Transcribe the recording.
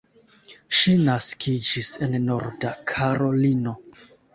Ŝi naskiĝis en Norda Karolino.